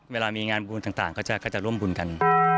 เวลามีงานบุญต่างก็จะร่วมบุญกัน